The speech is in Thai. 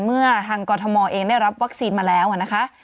เมื่อทางกรทมเองได้รับวัคซีนมาแล้วนะคะ